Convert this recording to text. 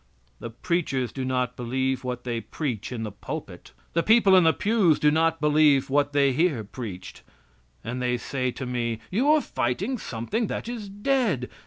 The preachers do not believe what they preach in the pulpit. The people in the pews do not believe what they hear preached. And they say to me: "You are fighting something that is dead.